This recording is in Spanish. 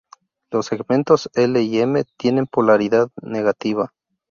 Los segmentos L y M tienen polaridad negativa.